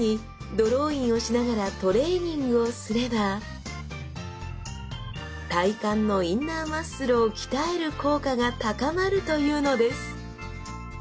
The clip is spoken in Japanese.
ドローインをしながらトレーニングをすれば体幹のインナーマッスルを鍛える効果が高まるというのです！